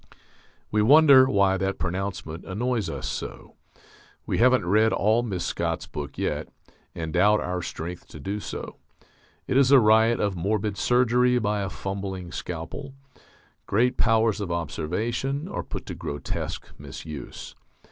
_ We wonder why that pronouncement annoys us so. We haven't read all Mrs. Scott's book yet, and doubt our strength to do so. It is a riot of morbid surgery by a fumbling scalpel: great powers of observation are put to grotesque misuse.